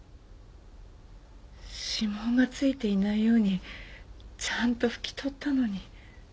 指紋が付いていないようにちゃんと拭き取ったのに。